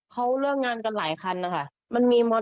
คือมันมีรถ